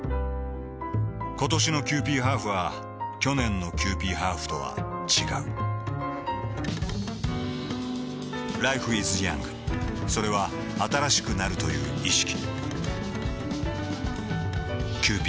ことしのキユーピーハーフは去年のキユーピーハーフとは違うＬｉｆｅｉｓｙｏｕｎｇ．それは新しくなるという意識